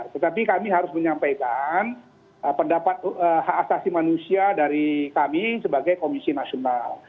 tetapi kami harus menyampaikan pendapat hak asasi manusia dari kami sebagai komisi nasional